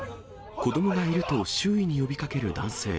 子どもがいると周囲に呼びかける男性。